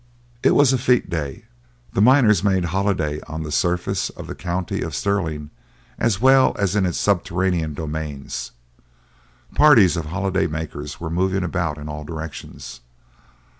It was a fête day. The miners made holiday on the surface of the county of Stirling as well as in its subterraneous domains. Parties of holiday makers were moving about in all directions.